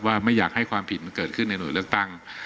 ไม่อยากให้ความผิดมันเกิดขึ้นในหน่วยเลือกตั้ง